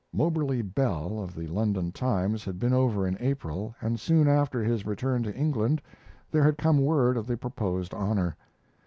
Moberly Bell, of the London Times, had been over in April, and soon after his return to England there had come word of the proposed honor.